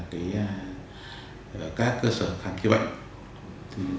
các cơ sở khám chữa bệnh